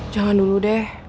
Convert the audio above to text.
jangan dulu deh